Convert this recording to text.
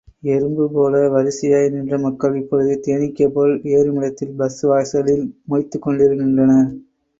எறும்புபோல வரிசையாய் நின்ற மக்கள், இப்பொழுது தேனீக்கள் போல் ஏறுமிடத்தில் பஸ் வாசலில் மொய்த்துக் கொண்டு நின்றனர்.